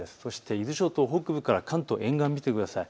伊豆諸島北部から関東沿岸見てください。